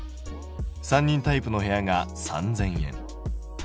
３人タイプの部屋が３０００円。